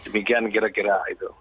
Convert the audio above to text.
demikian kira kira itu